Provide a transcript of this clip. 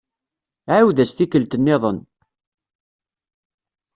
Ɛiwed-as tikkelt-nniḍen.